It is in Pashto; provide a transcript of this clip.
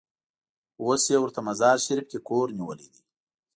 اوس یې ورته مزار شریف کې کور نیولی دی.